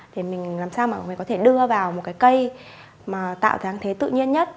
thì mình làm sao mà mình có thể đưa vào một cái cây mà tạo trang thế tự nhiên nhất